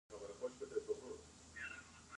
د پښتورګو د کمزوری لپاره د وربشو اوبه وڅښئ